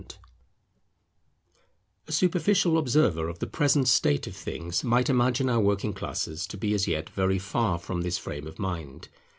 Their Communism] A superficial observer of the present state of things might imagine our working classes to be as yet very far from this frame of mind.